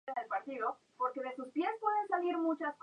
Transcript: Forma parte de la Reserva Natural del Lago de Vico.